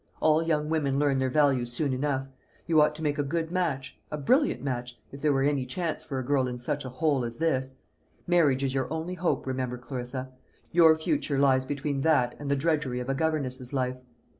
All young women learn their value soon enough. You ought to make a good match, a brilliant match if there were any chance for a girl in such a hole as this. Marriage is your only hope, remember, Clarissa. Your future lies between that and the drudgery of a governess's life.